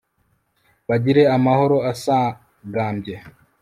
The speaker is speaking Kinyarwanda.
bagire amahoro asagambye